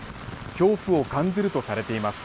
恐怖を感ずるとされています。